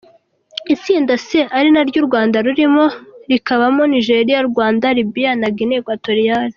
Itsinda C ari naryo u Rwanda rurimo rikabamo: Nigeria, Rwanda, Libye na Guinee Equatoriale.